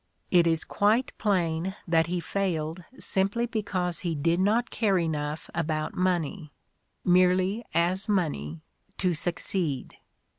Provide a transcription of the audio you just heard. It is quite plain that he failed simply be cause he did not care enough about money, merely as money, to succeed.